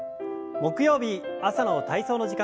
木曜日朝の体操の時間です。